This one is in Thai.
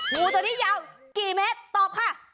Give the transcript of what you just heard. งูตัวนี้ยาวกี่เมตรตอบค่ะ